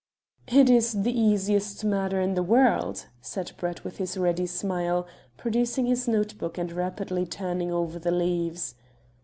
"It is the easiest matter in the world," said Brett with his ready smile, producing his note book and rapidly turning over the leaves.